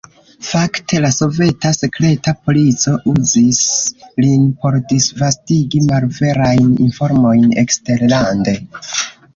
Fakte la soveta sekreta polico uzis lin por disvastigi malverajn informojn eksterlande.